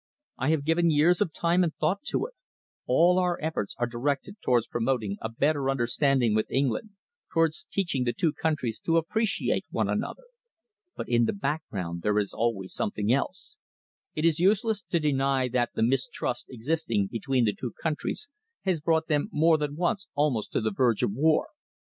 I have given years of time and thought to it. All our efforts are directed towards promoting a better understanding with England, towards teaching the two countries to appreciate one another. But in the background there is always something else. It is useless to deny that the mistrust existing between the two countries has brought them more than once almost to the verge of war.